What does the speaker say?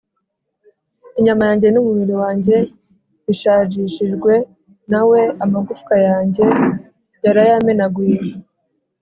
Inyama yanjye n’umubiri wanjye bishajishijwe na we, Amagufwa yanjye yarayamenaguye.